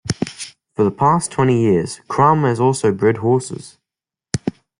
For the past twenty years, Crum has also bred horses.